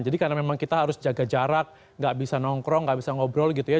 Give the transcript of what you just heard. jadi karena memang kita harus jaga jarak gak bisa nongkrong gak bisa ngobrol gitu ya